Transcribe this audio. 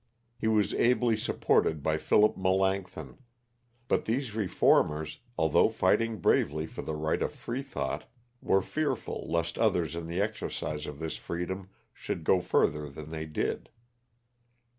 He was ably supported by Philip Melancthon, but these reformers, although fighting bravely for the right of Freethought, were fearful lest others in the exercise of this freedom should go further than they did.